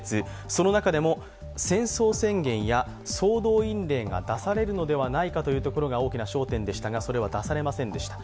その中でも戦争宣言や総動員令が出されるのではないかといったことが大きな焦点でしたが、それは出されませんでした。